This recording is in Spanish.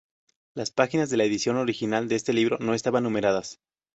Las páginas de la edición original de este libro no estaban numeradas.